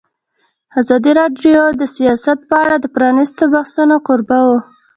ازادي راډیو د سیاست په اړه د پرانیستو بحثونو کوربه وه.